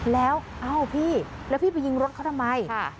แล้วเอ้าพี่แล้วพี่ไปยิงรถเขาทำไม